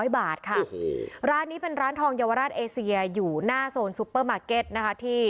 ๐บาทค่ะร้านนี้เป็นร้านทองเยาวราชเอเซียอยู่หน้าโซนซุปเปอร์มาร์เก็ตนะคะที่